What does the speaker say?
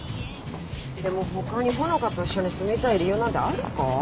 でも他に穂香と一緒に住みたい理由なんてあるか？